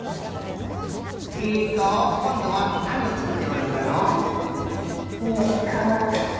えっとこんどはなにをつくっておるんかの？かわ。